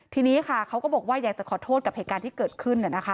ทีนี้ค่ะเขาก็บอกว่าอยากจะขอโทษกับเหตุการณ์ที่เกิดขึ้น